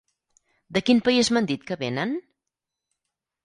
De quin país m'han dit que vénen?